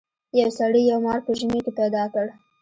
یو سړي یو مار په ژمي کې پیدا کړ.